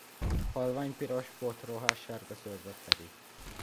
Halvány piros potrohát sárga szőrzet fedi.